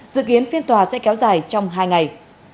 dự kiến phiên tòa sẽ kéo dài trong hai ngày